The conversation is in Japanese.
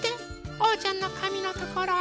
おうちゃんのかみのところ。